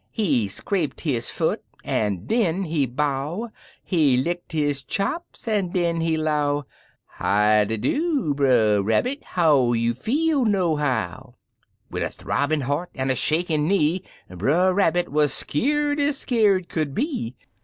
He scraped his foot an' den he bow, He licked his chops an' den he 'low: " Howdy do, Brer Rabbit? How you feel, nohow f* Wid a th'obbin' heart an' a shakir' knee. Brer Rabbit wuz skeer'd ez skeer'd could be.